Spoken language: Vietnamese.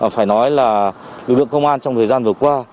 phải nói là lực lượng công an trong thời gian vừa qua